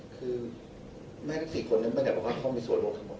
คือแม้ทั้งสี่คนนั้นไม่ได้บอกว่าเขามีส่วนโลกทั้งหมด